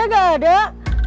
kau da baca gak ada